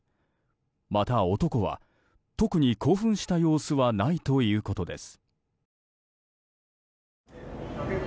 また、男は特に興奮した様子はないということです。